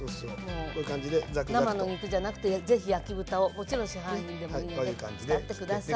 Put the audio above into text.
もう生の肉じゃなくて是非焼き豚をもちろん市販品でもいいので使って下さい。